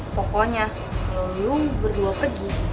pokoknya kalo lu berdua pergi